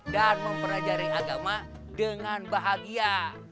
dan mempelajari agama dengan bahagia